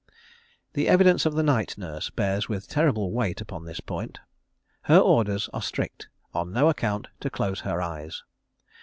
The evidence of the night nurse bears with terrible weight upon this point. Her orders are strict, on no account to close her eyes.